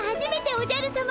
おじゃるさま！